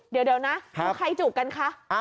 เดี๋ยวนะใครจูบกันคะ